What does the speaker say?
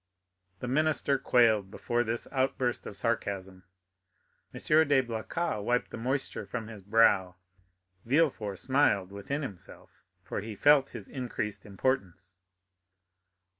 The minister quailed before this outburst of sarcasm. M. de Blacas wiped the moisture from his brow. Villefort smiled within himself, for he felt his increased importance.